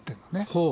ほう。